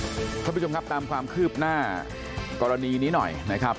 คุณผู้ชมครับตามความคืบหน้ากรณีนี้หน่อยนะครับ